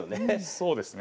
そうですね。